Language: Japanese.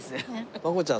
真子ちゃん